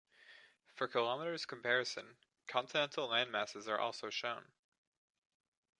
For kilometers comparison, continental landmasses are also shown.